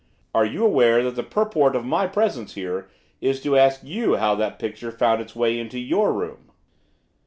Are you aware that the purport of my presence here is to ask you how that picture found its way into your room?